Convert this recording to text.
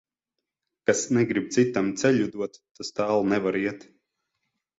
Kas negrib citam ceļu dot, tas tālu nevar iet.